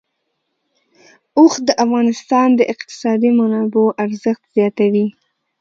اوښ د افغانستان د اقتصادي منابعو ارزښت زیاتوي.